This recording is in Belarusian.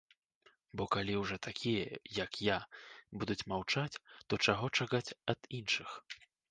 Бо калі ўжо такія, як я, будуць маўчаць, то чаго чакаць ад іншых?